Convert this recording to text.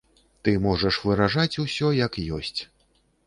Ты можаш выражаць усё як ёсць.